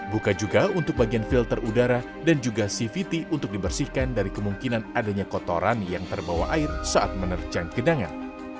buka juga untuk bagian filter udara dan juga cvt untuk dibersihkan dari kemungkinan adanya kotoran yang terbawa air saat menerjang gedangan